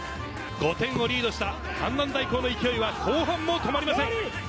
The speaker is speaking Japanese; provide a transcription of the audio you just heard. ５点をリードした阪南大高の勢いは後半も止まりません。